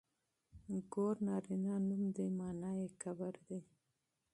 ګور نرينه نوم دی مانا يې کبر دی.